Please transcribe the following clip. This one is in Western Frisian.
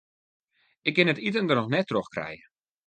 Ik kin it iten der net troch krije.